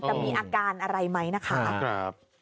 มีอาการอะไรไหมนะคะ